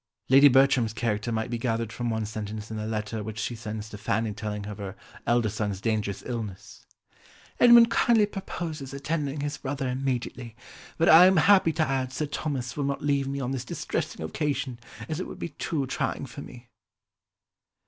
Lady Bertram's character might be gathered from one sentence in the letter which she sends to Fanny, telling of her elder son's dangerous illness: "Edmund kindly proposes attending his brother immediately, but I am happy to add Sir Thomas will not leave me on this distressing occasion as it would be too trying for me."